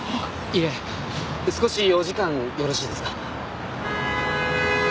いえ少しお時間よろしいですか？